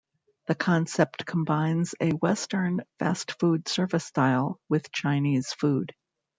The concept combines a Western fast food service style with Chinese food.